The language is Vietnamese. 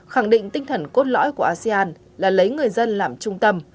khẳng định tinh thần cốt lõi của asean là lấy người dân làm trung tâm